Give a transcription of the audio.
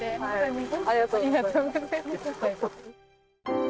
ありがとうございます。